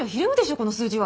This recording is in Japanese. この数字は。